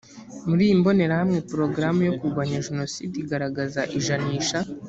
muri iyi mbonerahamwe porogaramu yo kurwanya jenoside igaragaza ijanisha